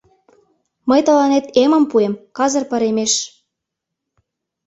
Мый тыланет эмым пуэм, казыр паремеш.